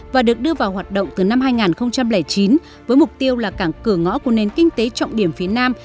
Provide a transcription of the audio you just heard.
và được đưa vào hoạt động từ năm hai nghìn chín với mục tiêu là cảng cửa ngõ của nền kinh tế trọng điểm phía nam